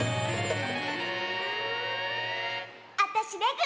あたしレグ！